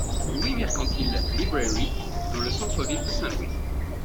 Louis Mercantile Library dans le centre ville de Saint-Louis.